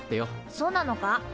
そうなのか？